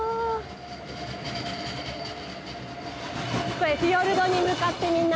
これフィヨルドに向かってみんな。